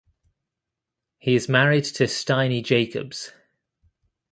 He is married to Stienie Jacobs.